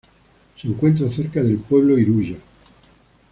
Se encuentra cerca del pueblo Iruya.